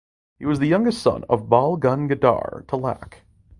He was the youngest son of Bal Gangadhar Tilak.